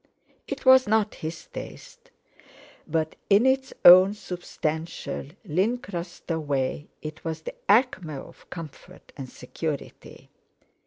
It was not his taste; but in its own substantial, lincrusta way it was the acme of comfort and security.